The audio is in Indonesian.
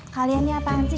kalian ini apaan sih